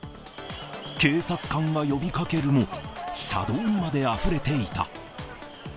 警察官が呼びかけるも、車道にまであふれていた。